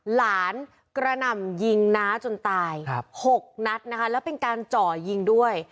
หลานกระหน่ำยิงน้าจนตาย๖นัดนะคะแล้วเป็นการเจาะยิงด้วย